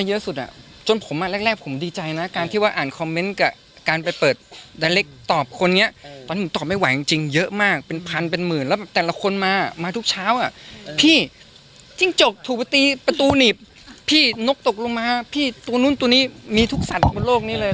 โหยหลายอย่างนะพี่แต่คือดีมากนะจบกันด้วยแบบดีที่สุดในโลกเลย